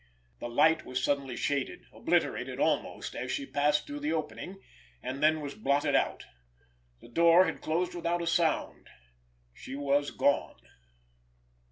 The light was suddenly shaded, obliterated almost, as she passed through the opening—and then was blotted out. The door had closed without a sound. She was gone.